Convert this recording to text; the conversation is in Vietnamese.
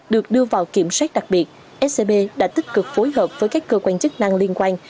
được đưa vào kiểm soát đặc biệt scb đã tích cực phối hợp với các cơ quan chức năng liên quan